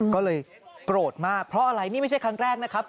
ก็เลยโกรธมากเพราะอะไรนี่ไม่ใช่ครั้งแรกนะครับ